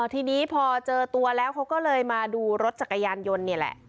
ทีนี้พอเจอตัวแล้วเขาก็เลยมาดูรถจักรยานยนต์นี่แหละ